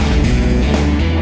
udah bocan mbak